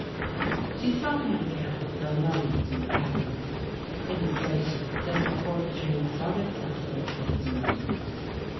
She saw him again for a moment at the capital, in the station, just before the train started southward with his regiment.